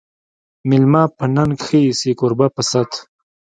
مېلمه په ننګ ښه ایسي، کوربه په صت